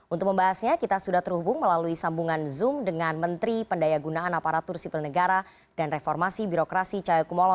untuk membahasnya kita sudah terhubung melalui sambungan zoom dengan menteri pendaya gunaan aparatur sipil negara dan reformasi birokrasi cahaya kumolo